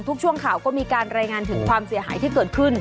ช่วงข่าวก็มีการรายงานถึงความเสียหายที่เกิดขึ้น